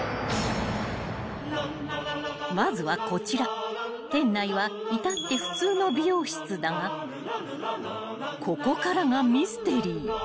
［まずはこちら店内は至って普通の美容室だがここからがミステリー］